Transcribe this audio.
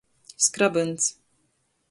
Skrabyns.